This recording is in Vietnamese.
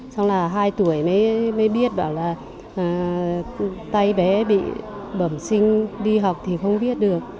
xong là hai tuổi mới biết bảo là tay bé bị bẩm sinh đi học thì không biết được